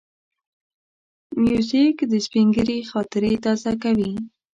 موزیک د سپینږیري خاطرې تازه کوي.